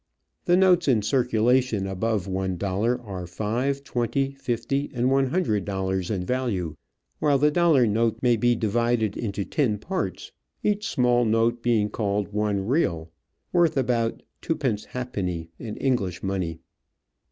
The notes in circulation above one dollar are five, twenty, fifty, and one hundred dollars in value ; while the dollar note may be divided into ten parts, each small note being called one real, worth about twopence half penny in English money.